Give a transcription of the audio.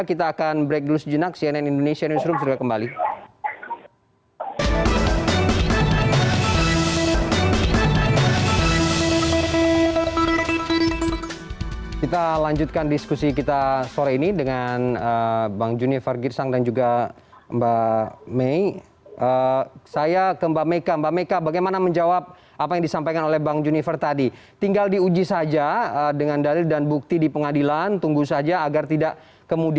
kita akan break dulu sejenak